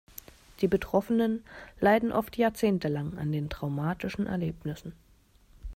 Die Betroffenen leiden oft jahrzehntelang an den traumatischen Erlebnissen.